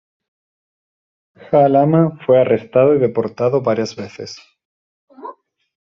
Ja Lama fue arrestado y deportado varias veces.